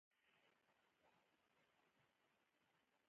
د جامو لوندوالی مې پر بدن احساساوه.